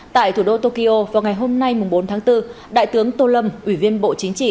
tại thủ đô tokyo vào ngày hôm nay bốn tháng bốn đại tướng tô lâm ủy viên bộ chính trị